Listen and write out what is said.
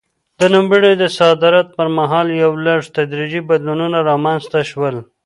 د نوموړي د صدارت پر مهال یو لړ تدریجي بدلونونه رامنځته شول.